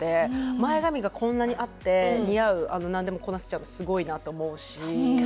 前髪がこんなにあって似合うなんでもこなせちゃうのすごいなって思うし。